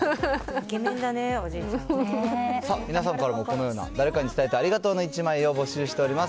イケメンだね、おじいちゃんさあ、皆さんからもこのような誰かに伝えたいありがとうの１枚を募集しております。